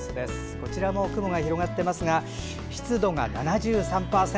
こちらも雲が広がっていますが湿度が７３％。